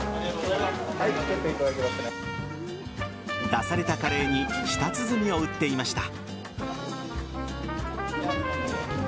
出されたカレーに舌鼓を打っていました。